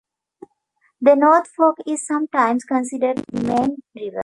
The North Fork is sometimes considered the main river.